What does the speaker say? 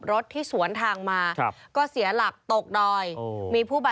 เรายังไม่จบนะครับ